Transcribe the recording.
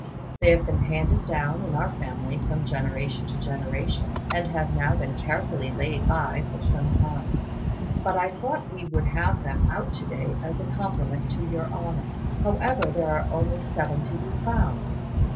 They have been handed down in our family from generation to generation, and have now been carefully laid by for some time; but I thought we would have them out to day as a compliment to your Honour. However, there are only seven to be found.